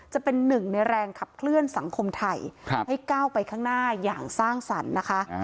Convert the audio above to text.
จะเป็นหนึ่งในแรงขับเคลื่อนสังคมไทยให้ก้าวไปข้างหน้าอย่างสร้างสรรค์นะคะ